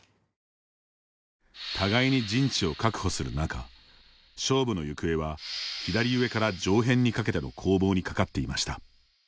互いに陣地を確保する中勝負の行方は、左上から上辺にかけての攻防にかかっていました。